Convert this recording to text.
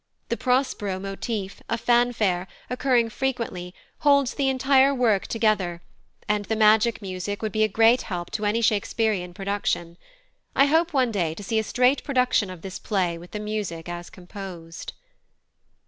The Prospero motif, a fanfare, occurring frequently, holds the entire work together, and the magic music would be a great help to any Shakespeare production. I hope one day to see a straight production of this play with the music as composed.